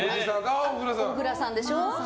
小倉さんでしょ